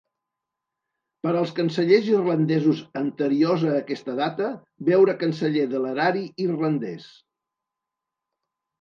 Per als cancellers irlandesos anteriors a aquesta data, veure Canceller de l'Erari Irlandès.